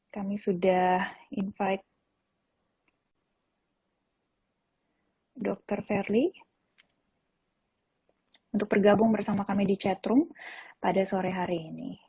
kami sudah invite dr verly untuk bergabung bersama kami di chatroom pada sore hari ini